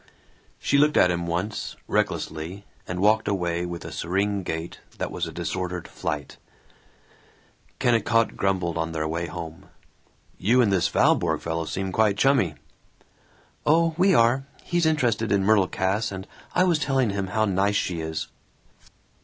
She looked at him once, recklessly, and walked away with a serene gait that was a disordered flight. Kennicott grumbled on their way home, "You and this Valborg fellow seem quite chummy." "Oh, we are. He's interested in Myrtle Cass, and I was telling him how nice she is."